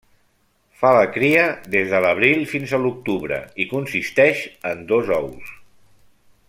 Fa la cria des de l'abril fins a l'octubre i consisteix en dos ous.